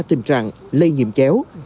tình trạng lây nhiễm chéo